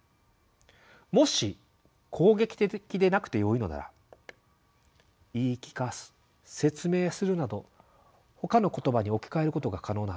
もし攻撃的でなくてよいのなら「言い聞かす」「説明する」などほかの言葉に置き換えることが可能なはずです。